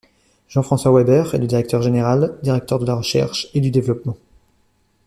Jean-François Weber est le directeur général, directeur de la recherche et du développement.